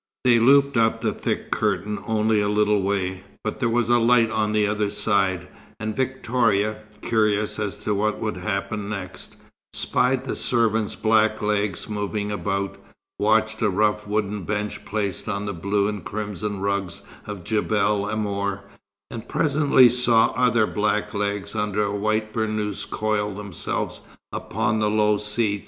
They looped up the thick curtain only a little way, but there was a light on the other side, and Victoria, curious as to what would happen next, spied the servants' black legs moving about, watched a rough wooden bench placed on the blue and crimson rugs of Djebel Amour, and presently saw other black legs under a white burnous coil themselves upon the low seat.